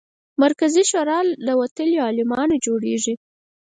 مرکزي شورا له وتلیو عالمانو جوړېږي.